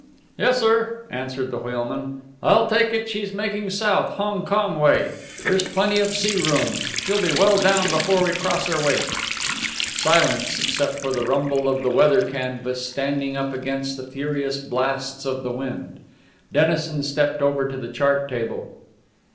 "Yes, sir," answered the wheelman. "I take it she's making south Hong Kong way. There's plenty of sea room. She'll be well down before we cross her wake." Silence except for the rumble of the weather canvas standing up against the furious blasts of the wind. Dennison stepped over to the chart table.